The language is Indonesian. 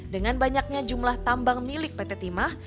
dengan banyaknya jumlah tambang milik pt timah